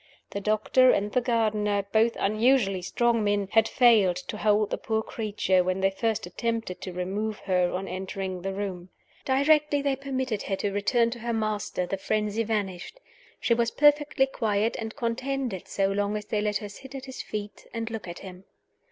The doctor and the gardener (both unusually strong men) had failed to hold the poor creature when they first attempted to remove her on entering the room. Directly they permitted her to return to her master the frenzy vanished: she was perfectly quiet and contented so long as they let her sit at his feet and look at him.